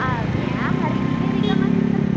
nanti saya ke prj